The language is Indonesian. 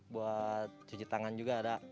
buat cuci tangan juga ada